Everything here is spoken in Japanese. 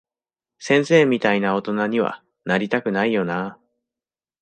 先生みたいな大人には、なりたくないよなぁ。